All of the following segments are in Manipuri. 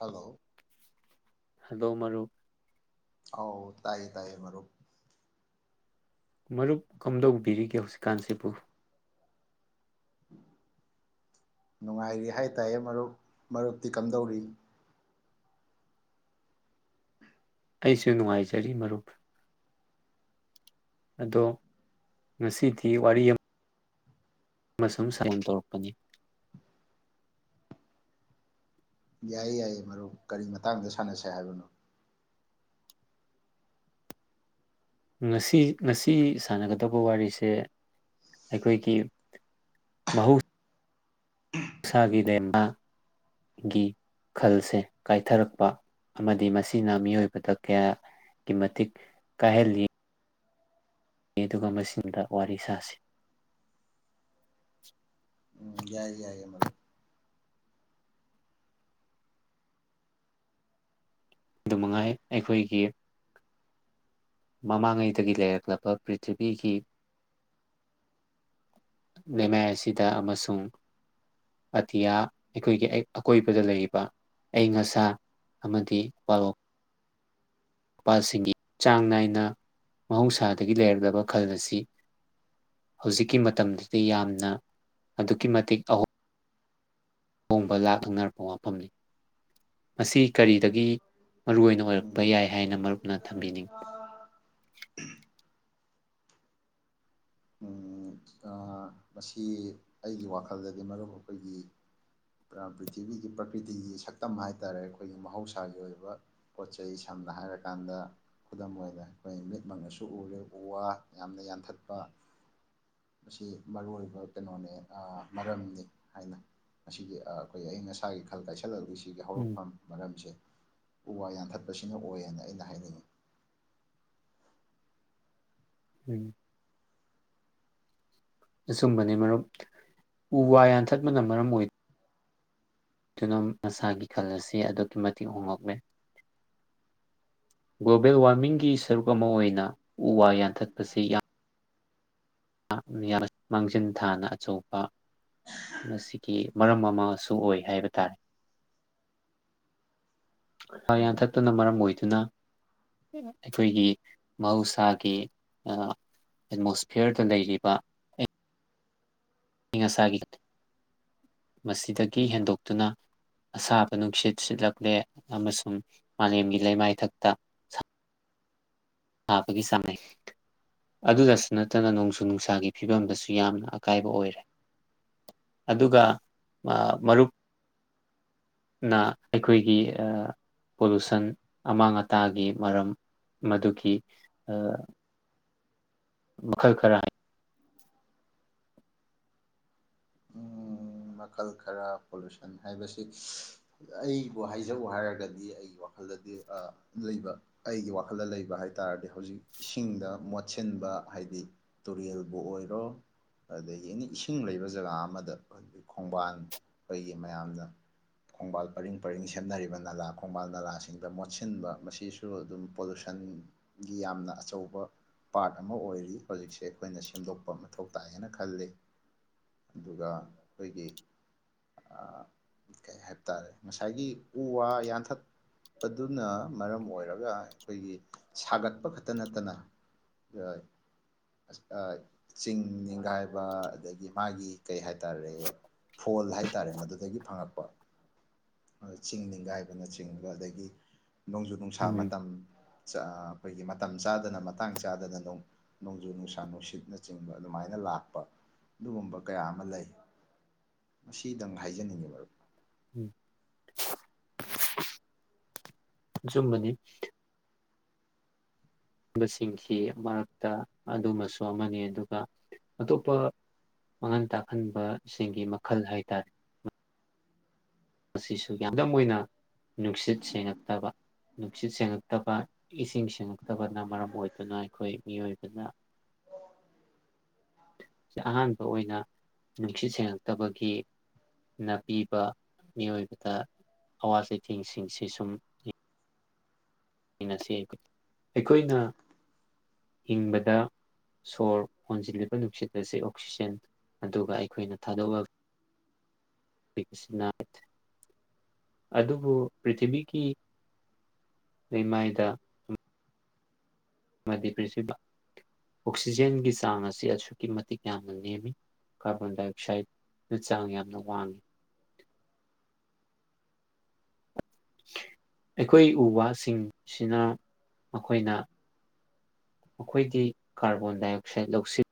ꯍꯜꯂꯣ ꯍꯗꯣ ꯃꯔꯨ ꯑꯧ ꯇꯥꯏꯌꯦ ꯇꯥꯏꯌꯦ ꯃꯔꯨꯞ ꯃꯔꯨꯞ ꯀꯝꯗꯧꯕꯤꯔꯤꯒꯦ ꯍꯧꯖꯤꯛꯀꯥꯟꯁꯤꯕꯨ ꯅꯨꯡꯉꯥꯏꯔꯤ ꯍꯥꯏꯇꯥꯔꯦ ꯃꯔꯨꯞ ꯃꯔꯨꯞꯇꯤ ꯀꯝꯗꯧꯔꯤ ꯑꯩꯁꯨ ꯅꯨꯡꯉꯥꯏꯖꯔꯤ ꯃꯔꯨꯞ ꯑꯗꯣ ꯉꯁꯤꯗꯤ ꯋꯥꯔꯤ ꯑꯃ ꯃꯁꯨꯝ ꯁꯥꯏꯟ ꯇꯧꯔꯛꯄꯅꯤ ꯌꯥꯏꯌꯦ ꯌꯥꯏꯌꯦ ꯃꯔꯨꯞ ꯀꯔꯤ ꯃꯇꯥꯡꯗ ꯁꯥꯟꯅꯁꯦ ꯍꯥꯏꯕꯅꯣ ꯉꯁꯤ ꯉꯁꯤ ꯁꯥꯟꯅꯒꯗꯧꯕ ꯋꯥꯔꯤꯁꯦ ꯑꯩꯈꯣꯏꯒꯤ ꯃꯍ ꯎꯁꯥꯒꯤ ꯂꯩꯃꯒꯤ ꯈꯜꯁꯦ ꯀꯥꯏꯊꯔꯛꯄ ꯑꯃꯗꯤ ꯃꯁꯤꯅ ꯃꯤꯑꯣꯏꯕꯗ ꯀꯌꯥꯒꯤ ꯃꯇꯤꯛ ꯀꯥꯏꯍꯜꯂꯤ ꯑꯗꯨꯒꯨꯝꯕꯁꯤꯡꯗ ꯋꯥꯔꯤ ꯁꯥꯁꯤ ꯎꯝ ꯌꯥꯏꯌꯦ ꯌꯥꯏꯌꯦ ꯃꯔ ꯑꯗꯨ ꯃꯉꯥꯏ ꯑꯩꯈꯣꯏꯒꯤ ꯃꯃꯥꯡꯉꯩꯗꯒꯤ ꯂꯩꯔꯛꯂꯕ ꯄ꯭ꯔꯤꯊꯤꯕꯤꯒꯤ ꯂꯩꯃꯥꯏ ꯑꯁꯤꯗ ꯑꯃꯁꯨꯡ ꯑꯇꯤꯌꯥ ꯑꯩꯈꯣꯏꯒꯤ ꯑꯀꯣꯏꯕꯗ ꯂꯩꯔꯤꯕ ꯑꯏꯪ ꯑꯁꯥ ꯑꯃꯗꯤ ꯄꯔꯣꯛ ꯃꯄꯥꯜꯁꯤꯡꯒꯤ ꯆꯥꯡ ꯅꯥꯏꯅ ꯃꯍꯧꯁꯥꯗꯒꯤ ꯂꯩꯔꯛꯂꯕ ꯈꯜ ꯑꯁꯤ ꯍꯧꯖꯤꯛꯀꯤ ꯃꯇꯝꯗꯗꯤ ꯌꯥꯝꯅ ꯑꯗꯨꯛꯀꯤ ꯃꯇꯤꯛ ꯑꯍ ꯑꯍꯣꯡꯕ ꯂꯥꯛꯅꯔꯛꯄ ꯋꯥꯐꯝꯅꯤ ꯃꯁꯤ ꯀꯔꯤꯗꯒꯤ ꯃꯔꯨꯑꯣꯏ ꯑꯣꯏꯅ ꯑꯣꯏꯔꯛꯄ ꯎꯝ ꯌꯥꯏ ꯍꯥꯏꯅ ꯃꯔꯨꯞꯅ ꯊꯝꯕꯤꯅꯤꯡꯉꯤ ꯎ ꯃꯁꯤ ꯑꯩꯒꯤ ꯋꯥꯈꯜꯗꯗꯒꯤ ꯃꯔꯨꯞ ꯑꯩꯈꯣꯏꯒꯤ ꯄ꯭ꯔꯤꯊꯤꯕꯤꯒꯤ ꯄ꯭ꯔꯀꯤꯇꯤꯒꯤ ꯁꯛꯇꯝ ꯍꯥꯏꯇꯥꯥꯔꯦ ꯑꯩꯈꯣꯏꯒꯤ ꯃꯍꯧꯁꯥꯒꯤ ꯑꯣꯏꯕ ꯄꯣꯠ ꯆꯩꯩ ꯁꯝꯅ ꯍꯥꯏꯔꯀꯥꯟꯗ ꯈꯨꯗꯝ ꯑꯣꯏꯔꯦ ꯑꯩꯈꯣꯏ ꯃꯤꯠꯃꯛꯅꯁꯨ ꯎꯔꯦ ꯎ ꯋꯥ ꯌꯥꯝꯅ ꯌꯥꯟꯊꯠꯄ ꯃꯁꯤ ꯃꯔꯨ ꯑꯣꯏꯕ ꯀꯩꯅꯣꯅꯦ ꯃꯔꯝꯅꯤ ꯍꯥꯏꯅ ꯃꯁꯤꯒꯤ ꯑ ꯑꯩꯈꯣꯏ ꯑꯏꯤꯡ ꯑꯁꯥꯒꯤ ꯈꯜ ꯀꯥꯏꯁꯜꯂꯛꯂꯤ ꯁꯤꯒꯤ ꯎꯝ ꯍꯧꯔꯛꯐꯝ ꯃꯔꯝꯁꯦ ꯎ ꯋꯥ ꯌꯥꯟꯊꯠꯄꯁꯤꯅ ꯑꯣꯏꯌꯦꯅ ꯑꯩꯅ ꯍꯥꯏꯅꯤꯡꯉꯤ ꯎꯝ [unintelligible] ꯑꯁꯨꯝꯕꯅꯦ ꯃꯔꯨꯞ ꯎ ꯋꯥ ꯌꯥꯟꯊꯠꯄꯅ ꯃꯔꯝ ꯑꯣꯏ [unintelligible] ꯑꯗꯨꯅ ꯃꯁꯥꯒꯤ ꯈꯜ ꯑꯁꯤ ꯑꯗꯨꯛꯀꯤ ꯃꯇꯤꯛ ꯍꯣꯡꯂꯛꯂꯦ ꯒꯂꯣꯕꯦꯜ ꯋꯥꯔꯃꯤꯡꯒꯤ ꯁꯔꯨꯛ ꯑꯃ ꯑꯣꯏꯅ ꯎ ꯋꯥ ꯌꯥꯟꯊꯠꯄꯁꯤ ꯌꯥꯝ [unintelligible] ꯃꯥꯡꯖꯤꯟ ꯊꯥꯅ ꯑꯆꯧꯕ ꯃꯁꯤꯒꯤ ꯃꯔꯝ ꯑꯃꯁꯨ ꯑꯣꯏ ꯍꯥꯏꯕ ꯇꯥꯔꯦ ꯎꯝ ꯌꯥꯟꯊꯠꯇꯨꯅ ꯃꯔꯝ ꯑꯣꯏꯗꯨꯅ [unintelligible] ꯑꯩꯈꯣꯏꯒꯤ ꯃꯍꯧꯁꯥꯒꯤ ꯑ ꯑꯦꯠꯃꯣꯁꯐꯤꯌꯔꯗ ꯂꯩꯔꯤꯕ ꯑꯏꯤꯡ ꯑꯁꯥꯒꯤ [unintelligible] ꯃꯁꯤꯗꯒꯤ ꯍꯦꯟꯗꯣꯛꯇꯨꯅ ꯑꯁꯥꯕ ꯅꯨꯡꯁꯤꯠ ꯁꯤꯠꯂꯛꯂꯦ ꯑꯃꯁꯨꯡ ꯃꯥꯂꯦꯝꯒꯤ ꯂꯩꯃꯥꯏꯊꯛꯇ ꯇꯥꯕꯒꯤ ꯆꯥꯡ [unintelligible] ꯅꯦ ꯑꯗꯨꯗꯁꯨ ꯅꯠꯇꯅ ꯅꯣꯡꯖꯨ ꯅꯨꯡꯁꯥꯒꯤ ꯐꯤꯕꯝꯗꯁꯨ ꯌꯥꯝꯅ ꯑꯀꯥꯏꯕ ꯑꯣꯏꯔꯦ ꯑꯗꯨꯒ ꯑ ꯃꯔꯨꯞ ꯅ ꯑꯩꯈꯣꯏꯒꯤ ꯑ ꯄꯣꯂꯨꯁꯟ ꯑꯃꯥꯡ ꯑꯇꯥꯒꯤ ꯃꯔꯝ ꯃꯗꯨꯒꯤ ꯑ ꯃꯈꯜ ꯈꯔ ꯍꯥꯏ [unintelligible] [inaudible] ꯎꯝ ꯃꯈꯜ ꯈꯔ ꯄꯣꯂꯨꯁꯟ ꯍꯥꯏꯕꯁꯤ ꯑꯩꯕꯨ ꯍꯥꯏꯖꯧ ꯍꯥꯏꯔꯒꯗꯤ ꯑꯩꯒꯤ ꯋꯥꯈꯜꯗꯗꯤ ꯑ ꯂꯩꯕ ꯑꯩꯒꯤ ꯋꯥꯈꯜꯗ ꯂꯩꯕ ꯍꯥꯏ ꯇꯥꯔꯗꯤ ꯍꯧꯖꯤꯛ ꯏꯁꯤꯡꯗ ꯃꯣꯠꯁꯤꯟꯕ ꯍꯥꯏꯗꯤ ꯇꯨꯔꯦꯜꯕꯨ ꯑꯣꯏꯔꯣ ꯑꯗꯒꯤ ꯑꯦꯅꯤ ꯏꯁꯤꯡ ꯂꯩꯕ [unintelligible] ꯖꯒꯥ ꯑꯃꯗ [unintelligible] ꯈꯣꯡꯕꯥꯟ ꯀꯩꯒꯤ ꯃꯌꯥꯝꯗ ꯈꯣꯡꯕꯥꯜ ꯄꯔꯤꯡ ꯄꯔꯤꯡ ꯁꯦꯝꯅꯔꯤꯕ ꯅꯂꯥ ꯈꯣꯡꯕꯥꯜ ꯅꯂꯥꯁꯤꯡꯗ ꯃꯣꯠꯁꯤꯟꯕ ꯃꯁꯤꯁꯨ ꯗꯨ ꯑꯗꯨꯝ ꯄꯣꯂꯨꯁꯟꯒꯤ ꯌꯥꯝꯅ ꯑꯆꯧꯕ ꯄꯥꯔꯠ ꯑꯃ ꯑꯣꯏꯔꯤ ꯍꯧꯖꯤꯛꯁꯦ ꯑꯩꯈꯣꯏꯅ ꯁꯦꯝꯗꯣꯛꯄ ꯃꯊꯧ ꯇꯥꯏꯌꯦꯅ ꯈꯜꯂꯦ ꯑꯗꯨꯒ ꯑꯩꯈꯣꯏꯒꯤ ꯑ [unintelligible] ꯀꯩ ꯍꯥꯏꯕ ꯇꯥꯔꯦ ꯉꯁꯥꯏꯒꯤ ꯎ ꯋꯥ ꯌꯥꯟꯊꯠ ꯑꯗꯨꯅ ꯃꯔꯝ ꯑꯣꯏꯔꯒ ꯑꯩꯈꯣꯏꯒꯤ ꯁꯥꯒꯠꯄ ꯈꯛꯇ ꯅꯠꯇꯅ ꯑ [unintelligible] ꯆꯤꯡ ꯅꯤꯡꯤꯡꯒꯥꯏꯕ ꯑꯗꯒꯤ ꯃꯥꯒꯤ ꯀꯩ ꯍꯥꯏꯇꯥꯔꯦ ꯐꯣꯜ ꯍꯥꯏꯇꯥꯔꯦ ꯃꯗꯨꯗꯒꯤ ꯐꯪꯉꯛꯄ ꯆꯤꯡ ꯅꯤꯡꯒꯥꯏꯕꯅꯆꯤꯡꯕ ꯑꯗꯒꯤ ꯅꯣꯡꯖꯨ ꯅꯨꯡꯁꯥ ꯎꯝ ꯃꯇꯝ [unintelligible] ꯑꯩꯈꯣꯏꯒꯤ ꯃꯇꯝ ꯆꯥꯗꯅ ꯃꯇꯥꯡ ꯆꯥꯗꯅ ꯅꯣꯡ ꯅꯣꯡꯖꯨ ꯅꯨꯡꯁꯥ ꯅꯨꯡꯁꯤꯠꯅꯆꯤꯡꯕ ꯑꯗꯨꯃꯥꯏꯅ ꯂꯥꯛꯄ ꯑꯗꯨꯒꯨꯝꯕ ꯀꯌꯥ ꯑꯃ ꯂꯩ ꯃꯁꯤꯗꯪ ꯍꯥꯏꯖꯅꯤꯡꯉꯤ ꯃꯔꯨꯞ ꯎꯝ [unintelligible] [inaudible] ꯑ ꯆꯨꯝꯕꯅꯤ [unintelligible] ꯕꯁꯤꯡꯁꯤ ꯃꯔꯛꯇ ꯑꯗꯨꯃꯁꯨ ꯑꯃꯅꯤ ꯑꯗꯨꯒ ꯑꯇꯣꯞꯄ ꯃꯥꯡꯍꯟ ꯇꯥꯛꯍꯟꯕꯁꯤꯡꯒꯤ ꯃꯈꯜ ꯍꯥꯏꯇꯥꯔꯦ ꯃꯁꯤꯁꯨ ꯌꯥꯡꯗꯝ [unintelligible] ꯑꯣꯏꯅ ꯅꯨꯡꯁꯤꯠ ꯁꯦꯡꯉꯛꯇꯕ ꯅꯨꯡꯁꯤꯠ ꯁꯦꯡꯉꯛꯇꯕ ꯏꯁꯤꯡ ꯁꯦꯡꯉꯛꯇꯕꯅ ꯃꯔꯝ ꯑꯣꯏꯗꯨꯅ ꯑꯩꯈꯣꯏ ꯃꯤꯑꯣꯏꯕꯅ [unintelligible] ꯑꯍꯥꯟꯕ ꯑꯣꯏꯅ ꯅꯨꯡꯁꯤꯠ ꯁꯦꯡꯂꯛꯇꯕꯒꯤ ꯅꯄꯤꯕ ꯃꯤꯑꯣꯏꯕꯗ ꯑꯋꯥ ꯆꯩꯊꯦꯡꯁꯤꯡꯁꯤ ꯁꯨꯝ [unintelligible] ꯍꯁꯤ ꯑꯩꯈꯣꯏꯅ ꯍꯤꯡꯕꯗ ꯁꯣꯔ ꯍꯣꯟꯖꯤꯜꯂꯤꯕ ꯅꯨꯡꯁꯤꯠ ꯑꯁꯤ ꯑꯣꯛꯁꯤꯖꯦꯟ ꯑꯗꯨꯒ ꯑꯩꯈꯣꯏꯅ ꯊꯥꯗꯣꯛꯑ [unintelligible] ꯄꯤꯛꯁꯤ ꯅꯥꯏꯠ [unintelligible] [inaudible] ꯑꯗꯨꯕꯨ ꯄꯔꯤꯊꯤꯕꯤꯒꯤ ꯂꯩꯃꯥꯏꯗ ꯑꯃꯗꯤ ꯄ꯭ꯔꯤꯊꯤ ꯑꯣꯛꯁꯤꯖꯦꯟꯒꯤ ꯆꯥꯡ ꯑꯁꯤ ꯑꯁꯨꯛꯀꯤ ꯃꯇꯤꯛ ꯌꯥꯝꯅ ꯅꯦꯝꯃꯤ ꯀꯥꯔꯕꯣꯟ ꯗꯥꯏꯑꯛꯁꯥꯏꯗ ꯆꯥꯡ ꯌꯥꯝꯅ ꯋꯥꯡꯏꯤ ꯑꯩꯈꯣꯏ ꯎꯕꯁꯤꯡꯁꯤꯅ ꯃꯈꯣꯏꯅ ꯃꯈꯣꯏꯗꯤ ꯀꯥꯔꯕꯣꯟ ꯗꯥꯏꯑꯛꯁꯥꯏꯠ ꯂꯧꯁꯤ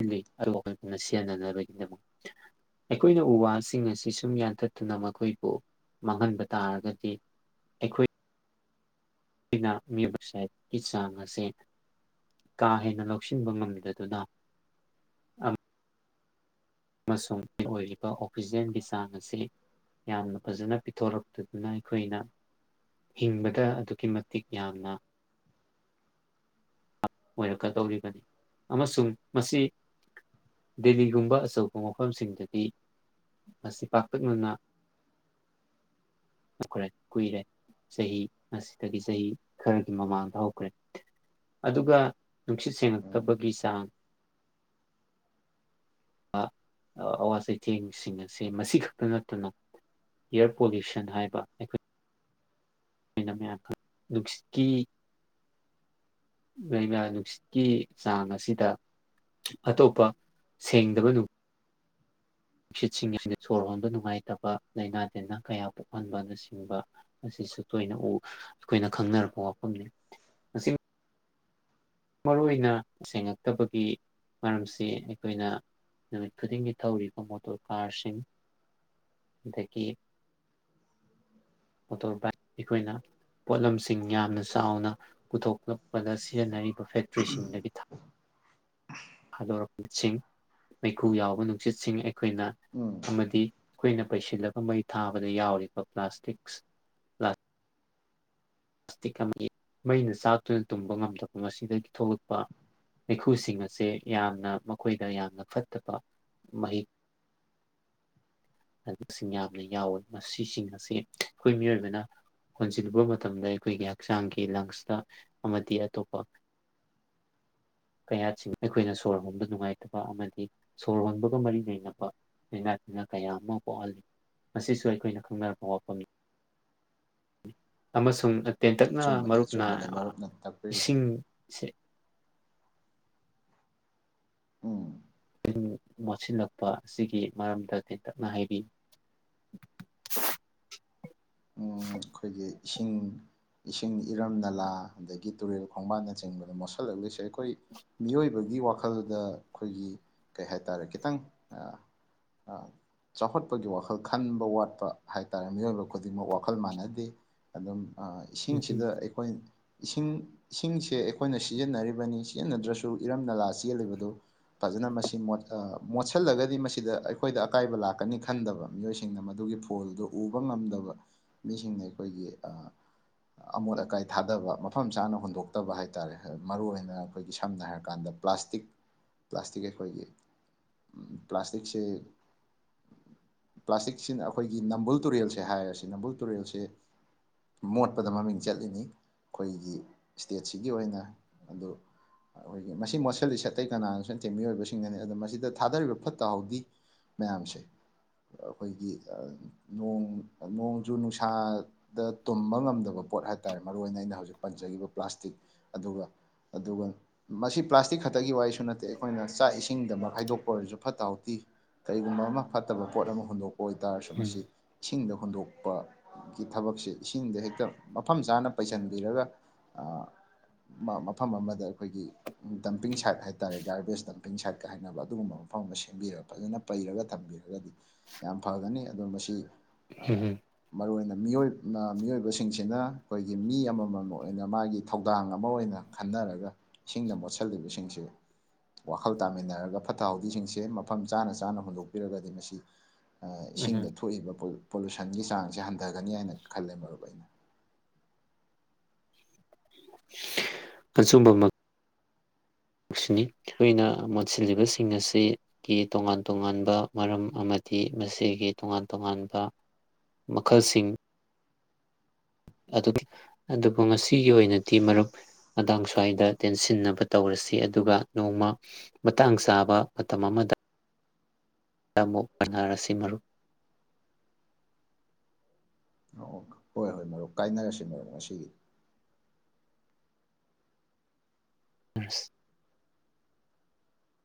ꯑꯩ ꯑꯩꯈꯣꯏ ꯄꯨꯅ ꯁꯦꯟꯅꯅꯕꯒꯤꯗꯃꯛ ꯑꯩꯈꯣꯏꯅ ꯎ ꯋꯥꯁꯤꯡ ꯑꯁꯤ ꯁꯨꯝ ꯌꯥꯟꯊꯠꯇꯨꯅ ꯃꯈꯣꯏꯕꯨ ꯃꯥꯡꯍꯟꯕ ꯇꯥꯔꯒꯗꯤ ꯑꯩꯈꯣꯏ ꯑꯩꯅ ꯃꯕꯁꯥꯏꯠꯀꯤ ꯆꯥꯡ ꯑꯁꯦ ꯀꯥ ꯍꯦꯟꯅ ꯂꯧꯁꯤꯟꯕ ꯉꯝꯗꯗꯨꯅ ꯑꯃꯁꯨꯡ ꯑꯩ ꯑꯣꯏꯔꯤꯕ ꯑꯣꯛꯁꯤꯖꯦꯟꯒꯤ ꯆꯥꯡ ꯑꯁꯤ ꯌꯥꯝꯅ ꯐꯖꯅ ꯄꯤꯊꯣꯔꯛꯇꯗꯨꯅ ꯑꯩꯈꯣꯏꯅ ꯍꯤꯡꯕꯗ ꯑꯗꯨꯛꯀꯤ ꯃꯇꯤꯛ ꯌꯥꯝꯅ ꯑꯣꯏꯔꯛꯀꯗꯧꯔꯤꯕꯅꯤ ꯑꯃꯁꯨꯡ ꯃꯁꯤ ꯗꯦꯜꯂꯤꯒꯨꯝꯕ ꯑꯆꯧꯕ ꯃꯐꯝꯁꯤꯡꯗꯗꯤ ꯃꯁꯤ ꯄꯥꯛꯇꯛꯅꯅ ꯂꯧꯈ꯭ꯔꯦ ꯀꯨꯏꯔꯦ ꯆꯍꯤ ꯑꯁꯤꯗꯒꯤ ꯆꯍꯤ ꯈꯔꯒꯤ ꯎꯝ ꯃꯃꯥꯡꯗ ꯍꯧꯈ꯭ꯔꯦ꯫ ꯑꯗꯨꯒ ꯅꯨꯡꯁꯤꯠ ꯎꯝ ꯁꯦꯡꯉꯛꯇꯕꯒꯤ ꯆꯥꯡ ꯑꯋꯥ ꯆꯩꯊꯦꯡꯁꯤꯡ ꯑꯁꯦ ꯃꯁꯤ ꯈꯛꯇ ꯅꯠꯇꯅ ꯏꯌꯥꯔ ꯄꯣꯂꯨꯁꯟ ꯍꯥꯏꯕ ꯑꯩꯈꯣꯏ ꯑꯣꯏꯅ ꯃꯌꯥꯝ ꯈꯪ ꯅꯨꯡꯁꯤꯠꯀꯤ ꯂꯩꯅ ꯅꯨꯡꯁꯤꯠꯀꯤ ꯆꯥꯡ ꯑꯁꯤꯗ ꯑꯇꯣꯞꯄ ꯁꯦꯡꯗꯕꯗꯨ ꯅꯨꯡꯁꯤꯠꯁꯤꯡ ꯑꯁꯤꯗ ꯁꯣꯔ ꯍꯣꯟꯕ ꯅꯨꯡꯉꯥꯏꯇꯕ ꯂꯥꯏꯅꯥ ꯇꯤꯟꯅꯥ ꯀꯌꯥ ꯄꯣꯛꯍꯟꯕꯅ ꯆꯤꯡꯕ ꯑꯁꯤꯁꯨ ꯇꯣꯏꯅ ꯎ ꯑꯩꯈꯣꯏꯅ ꯈꯪꯅꯔꯛꯄ ꯋꯥꯐꯝꯅꯤ꯫ ꯃꯁꯤ ꯃꯔꯨ ꯑꯣꯏꯅ ꯁꯦꯡꯉꯛꯇꯕꯒꯤ ꯃꯔꯝꯁꯤ ꯑꯩꯈꯣꯏꯅ ꯅꯨꯃꯤꯠ ꯈꯨꯗꯤꯡꯒꯤ ꯊꯧꯔꯤꯕ ꯃꯣꯇꯣꯔ ꯀꯥꯔꯁꯤꯡ ꯑꯗꯒꯤ ꯃꯣꯇꯣꯔ ꯕꯥꯏꯛ ꯑꯩꯈꯣꯏꯅ ꯄꯣꯠꯂꯝꯁꯤꯡ ꯌꯥꯝꯅ ꯆꯥꯎꯅ ꯄꯨꯊꯣꯛꯂꯛꯄꯗ ꯁꯤꯖꯤꯟꯅꯔꯤꯕ ꯐꯦꯛꯇ꯭ꯔꯤꯁꯤꯡꯗꯒꯤ ꯊ ꯊꯥꯗꯣꯔꯛꯄꯁꯤꯡ ꯃꯩꯈꯨ ꯌꯥꯎꯕ ꯅꯨꯡꯁꯤꯠꯁꯤꯡ ꯑꯩꯈꯣꯏꯅ ꯎꯝ꯫ ꯑꯃꯗꯤ ꯑꯩꯈꯣꯏꯅ ꯄꯩꯁꯤꯜꯂꯒ ꯃꯩ ꯊꯥꯕꯗ ꯌꯥꯎꯔꯤꯕ ꯄ꯭ꯂꯥꯁꯇꯤꯛꯁ ꯄ꯭ꯂꯥꯁꯇꯤꯛ ꯑꯃꯒꯤ ꯃꯩꯅ ꯆꯥꯛꯇꯨꯅ ꯇꯨꯝꯕ ꯉꯝꯗꯕ ꯑꯁꯤꯗꯒꯤ ꯊꯣꯛꯂꯛꯄ ꯃꯩꯈꯨꯁꯤꯡ ꯑꯁꯦ ꯌꯥꯝꯅ ꯃꯈꯣꯏꯗ ꯌꯥꯝꯅ ꯐꯠꯇꯕ ꯃꯍꯤꯛ ꯁꯤꯡ ꯌꯥꯝꯅ ꯌꯥꯎꯋꯤ ꯃꯁꯤꯁꯤꯡ ꯑꯁꯦ ꯑꯩꯈꯣꯏ ꯃꯤꯑꯣꯏꯕꯅ ꯍꯣꯟꯁꯤꯜꯂꯨꯕ ꯃꯇꯝꯗ ꯑꯩꯈꯣꯏꯒꯤ ꯍꯛꯆꯥꯡꯒꯤ ꯂꯪꯁꯇ ꯑꯃꯗꯤ ꯑꯇꯣꯞꯄ ꯀꯌꯥꯠꯁꯤꯡ ꯑꯩꯈꯣꯏꯅ ꯁꯣꯔ ꯍꯣꯟꯕ ꯅꯨꯡꯉꯥꯏꯇꯕ ꯑꯃꯗꯤ ꯁꯣꯔ ꯍꯣꯟꯕꯒ ꯃꯔꯤ ꯂꯩꯅꯕ ꯂꯩꯅꯥ ꯇꯤꯟꯅꯥ ꯀꯌꯥ ꯑꯃ ꯄꯣꯛꯍꯜꯂꯤ ꯃꯁꯤꯁꯨ ꯑꯩꯈꯣꯏꯅ ꯈꯪꯅꯔꯛꯄ ꯋꯥꯐꯝꯅꯤ꯫ ꯑꯃꯁꯨꯡ ꯇꯦꯟꯇꯛꯅ ꯑꯆꯨꯝꯕꯅꯦ ꯃꯔꯨꯞꯅ ꯑꯆꯨꯝꯕꯅꯦ ꯃꯔꯨꯞꯅ ꯇꯥꯛꯄꯤꯔꯤꯗꯨ ꯏꯁꯤꯡꯁꯦ ꯎꯝ꯫ ꯆꯤꯟ ꯃꯣꯠꯁꯤꯜꯂꯛꯄ ꯑꯁꯤꯒꯤ ꯃꯔꯝꯗ ꯇꯦꯟꯇꯛꯅ ꯍꯥꯏꯕꯤ ꯎꯝ ꯈꯣꯏꯒꯤ ꯏꯁꯤꯡ ꯏꯁꯤꯡ ꯏꯔꯝ ꯅꯂꯥ ꯑꯗꯒꯤ ꯇꯨꯔꯦꯜ ꯈꯣꯡꯕꯥꯟꯅꯆꯤꯡꯕꯗꯣ ꯃꯣꯠꯁꯜꯂꯛꯂꯤꯁꯦ ꯑꯩꯈꯣꯏ ꯃꯤꯑꯣꯏꯕꯒꯤ ꯋꯥꯈꯜꯗ ꯑꯩꯈꯣꯏꯒꯤ ꯀꯩ ꯍꯥꯏꯇꯥꯔꯦ ꯈꯤꯇꯪ ꯑ ꯆꯥꯎꯈꯠꯄꯒꯤ ꯋꯥꯈꯜ ꯈꯟꯕ ꯋꯥꯠꯄ ꯍꯥꯏꯇꯥꯔꯦ ꯃꯤꯑꯣꯏꯕ ꯈꯨꯗꯤꯡꯃꯛ ꯋꯥ ꯋꯥꯈꯜ ꯃꯥꯟꯅꯗꯦ ꯑꯗꯨꯝ ꯑ ꯏꯁꯤꯡꯁꯤꯗ ꯑꯩꯈꯣꯏ ꯏꯁꯤꯡ ꯏꯁꯤꯡꯁꯦ ꯑꯩꯈꯣꯏꯅ ꯁꯤꯖꯤꯟꯅꯔꯤꯕꯅꯤ ꯁꯤꯖꯤꯟꯅꯗ꯭ꯔꯁꯨ ꯏꯔꯝ ꯅꯂꯥ ꯆꯦꯜꯂꯤꯕꯗꯨ ꯐꯖꯅ ꯃꯁꯤ ꯃꯣꯠꯁꯤꯜꯂꯒꯗꯤ ꯃꯁꯤꯗ ꯑꯩꯈꯣꯏꯗ ꯑꯀꯥꯏꯕ ꯂꯥꯛꯀꯅꯤ ꯈꯟꯗꯕ ꯃꯤꯑꯣꯏꯁꯤꯡꯅ ꯃꯗꯨꯒꯤ ꯐꯨ ꯐꯣꯜꯗꯨ ꯎꯕ ꯉꯝꯗꯕ ꯃꯤꯁꯤꯡꯅ ꯑꯩꯈꯣꯏꯒꯤ ꯑ ꯑꯃꯣꯠ ꯑꯀꯥꯏ ꯊꯥꯗꯕ ꯃꯐꯝ ꯆꯥꯅ ꯍꯨꯟꯗꯣꯛꯇꯕ ꯍꯥꯏꯇꯥꯔꯦ ꯃꯔꯨꯏ ꯑꯣꯏꯅ ꯑꯩꯈꯣꯏꯒꯤ ꯁꯝꯅ ꯍꯥꯏꯔꯀꯥꯟꯗ ꯄ꯭ꯂꯥꯁꯇꯤꯛ ꯄ꯭ꯂꯥꯁꯇꯤꯛ ꯑꯩꯈꯣꯏꯒꯤ ꯎꯝ ꯄ꯭ꯂꯥꯁꯇꯤꯛꯁꯦ ꯄ꯭ꯂꯥꯁꯇꯤꯛꯁꯤꯅ ꯑꯩꯈꯣꯏꯒꯤ ꯅꯝꯕꯨꯜ ꯇꯨꯔꯦꯜꯁꯦ ꯍꯥꯏꯔꯁꯤ ꯅꯝꯕꯨꯜ ꯇꯨꯔꯦꯜꯁꯦ ꯃꯣꯠꯄꯗ ꯃꯃꯤꯡ ꯆꯠꯂꯤꯅꯤ ꯑꯩꯈꯣꯏꯒꯤ ꯏꯁꯇꯦꯠꯁꯤꯒꯤ ꯑꯣꯏꯅ ꯑꯗꯨ ꯑꯩꯈꯣꯏꯒꯤ ꯃꯁꯤ ꯃꯣꯠꯁꯤꯜꯂꯤꯁꯦ ꯑꯇꯩ ꯀꯅꯥꯅꯁꯨ ꯅꯠꯇꯦ ꯃꯤꯑꯣꯏꯕꯁꯤꯡꯅꯅꯤ ꯑꯗꯣ ꯃꯁꯤꯗ ꯊꯥꯗꯔꯤꯕ ꯐꯨꯠꯇ ꯍꯥꯎꯗꯤ ꯃꯌꯥꯝꯁꯦ ꯑꯩꯈꯣꯏꯒꯤ ꯅꯣꯡ ꯅꯣꯡ ꯖꯨ ꯅꯨꯡꯁꯥꯗ ꯇꯨꯝꯕ ꯉꯝꯗꯕ ꯄꯣꯠ ꯍꯥꯏꯇꯥꯔꯦ ꯃꯔꯨꯏꯅ ꯑꯩꯅ ꯍꯧꯖꯤꯛ ꯄꯟꯖꯈꯤꯕ ꯄ꯭ꯂꯥꯁꯇꯤꯛ꯫ ꯑꯗꯨꯒ ꯑꯗꯨꯒ ꯃꯁꯤ ꯄ꯭ꯂꯥꯁꯇꯤꯛ ꯈꯛꯇꯒꯤ ꯋꯥꯔꯤꯁꯨ ꯅꯠꯇꯦ ꯑꯩꯈꯣꯏꯅ ꯆꯥꯛ ꯏꯁꯤꯡꯗꯃꯛ ꯍꯥꯏꯗꯣꯛꯄ ꯑꯣꯏꯔꯁꯨ ꯐꯠꯇ ꯍꯥꯎꯊꯤ ꯀꯔꯤꯒꯨꯝꯕ ꯑꯃ ꯐꯠꯇꯕ ꯄꯣꯠ ꯑꯃ ꯍꯨꯟꯗꯣꯛꯄ ꯑꯣꯏꯇꯥꯔꯁꯨ ꯃꯁꯤ ꯏꯁꯤꯡꯗ ꯍꯨꯟꯗꯣꯛ ꯒꯤ ꯊꯕꯛꯁꯦ ꯏꯁꯤꯡꯁꯦ ꯍꯦꯛꯇ ꯃꯐꯝ ꯆꯥꯅ ꯄꯩꯁꯤꯟꯕꯤꯔꯒ ꯑ ꯃ ꯃꯐꯝ ꯑꯃꯗ ꯑꯩꯈꯣꯏꯒꯤ ꯗꯝꯄꯤꯡ ꯁꯥꯏꯠ ꯍꯥꯏꯇꯥꯥꯔꯦ ꯒꯥꯔꯕꯦꯖ ꯗꯝꯄꯤꯡ ꯁꯥꯏꯠꯀ ꯍꯥꯏꯅꯕ ꯑꯗꯨꯒꯨꯝꯕ ꯃꯐꯝ ꯑꯃ ꯁꯦꯝꯕꯤꯔꯒ ꯐꯖꯅ ꯄꯩꯔꯒ ꯊꯝꯕꯤꯔꯒꯗꯤ ꯌꯥꯝ ꯐꯒꯅꯤ ꯑꯗꯣ ꯃꯁꯤ ꯑ ꯃꯔꯨ ꯑꯣꯏꯅ ꯃꯤꯑꯣꯏ ꯃꯤꯑꯣꯏꯕꯁꯤꯡꯁꯤꯅ ꯑꯩꯈꯣꯏꯒꯤ ꯃꯤ ꯑꯃꯃꯝ ꯑꯣꯏꯅ ꯃꯥꯒꯤ ꯊꯧꯗꯥꯡ ꯑꯃ ꯑꯣꯏꯅ ꯈꯟꯅꯔꯒ ꯏꯁꯤꯡꯗ ꯃꯣꯠꯁꯤꯜꯂꯤꯕꯁꯤꯡꯁꯦ ꯋꯥꯈꯜ ꯇꯥꯃꯤꯟꯅꯔꯒ ꯐꯠꯇ ꯍꯥꯎꯊꯤꯁꯤꯡꯁꯦ ꯃꯐꯝ ꯆꯥꯅ ꯆꯥꯅ ꯍꯨꯟꯗꯣꯛꯄꯤꯔꯒꯗꯤ ꯃꯁꯤ ꯑ ꯏꯁꯤꯡꯗ ꯊꯣꯛꯏꯕ ꯄꯣꯂꯨ ꯄꯣꯂꯨꯁꯟꯒꯤ ꯆꯥꯡꯁꯦ ꯍꯟꯗꯒꯅꯤ ꯍꯥꯏꯅ ꯈꯜꯂꯦ ꯃꯔꯨꯞ ꯑꯩꯅ ꯑꯆꯨꯝꯕꯃꯛ ꯁꯨꯅꯤ ꯑꯩꯈꯣꯏꯅ ꯃꯣꯠꯁꯤꯜꯂꯤꯕꯁꯤꯡ ꯑꯁꯤ ꯀꯤ ꯇꯣꯉꯥꯟ ꯇꯣꯉꯥꯟꯕ ꯃꯔꯝ ꯑꯃꯗꯤ ꯃꯁꯤꯒꯤ ꯇꯣꯉꯥꯟ ꯇꯣꯉꯥꯟꯕ ꯃꯈꯜꯁꯤꯡ ꯑꯗꯨ ꯑꯗꯨꯕꯨ ꯉꯁꯤꯒꯤ ꯑꯣꯏꯅꯗꯤ ꯃꯔꯨꯞ ꯃꯇꯥꯡ ꯁ꯭ꯋꯥꯏꯗ ꯇꯦꯟꯁꯤꯟꯅꯕ ꯇꯧꯔꯁꯤ ꯑꯗꯨꯒ ꯅꯣꯡꯃ ꯃꯇꯥꯡ ꯆꯥꯕ ꯃꯇꯝ ꯑꯃꯗ ꯑꯃꯨꯛ ꯄꯟꯅꯔꯁꯤ ꯃꯔꯨꯞ ꯑꯣ ꯍꯣꯏ ꯍꯣꯏ ꯃꯔꯨꯞ ꯀꯥꯏꯅꯔꯁꯤ ꯃꯔꯨꯞ ꯉꯁꯤꯒꯤ ꯑꯁ